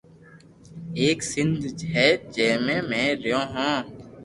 ايڪ سندھ ھي جي ۾ مي رھيو ھون